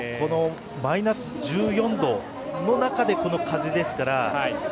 マイナス１４度の中でこの風ですから。